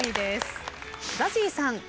ＺＡＺＹさん。